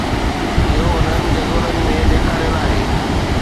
اهو انهن جدولن ۾ ڏيکاريل آهي